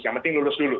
yang penting lulus dulu